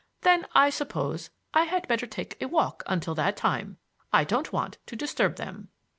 Then I suppose I had better take a walk until that time. I don't want to disturb them."